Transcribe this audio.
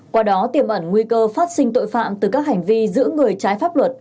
qua đó tiềm ẩn nguy cơ phát sinh tội phạm từ các hành vi giữ người trái pháp luật